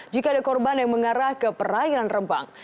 jika ada korban yang mengarah ke perairan rembang